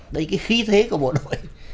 đây cái khí thế của bộ đội